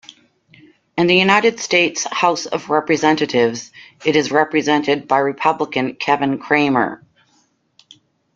In the United States House of Representatives it is represented by Republican Kevin Cramer.